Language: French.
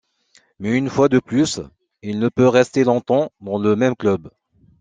Mais une fois de plus, il ne peut rester longtemps dans le même club.